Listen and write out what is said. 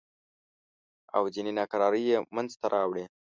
او ځینې ناکرارۍ یې منځته راوړې.